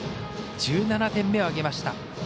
１７点目を挙げました。